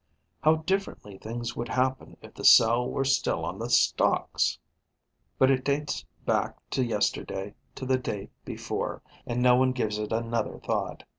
How differently things would happen if the cell were still on the stocks! But it dates back to yesterday, to the day before; and no one gives it another thought.